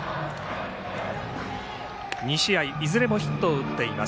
２試合、いずれもヒットを打っています。